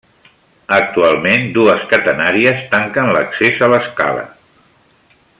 Actualment dues catenàries tanquen l'accés a l'escala.